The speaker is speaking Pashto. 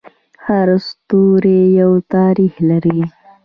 هر ستوری یو تاریخ لري.